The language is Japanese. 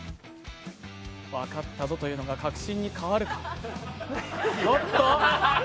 分かったぞというのが確信に変わるか。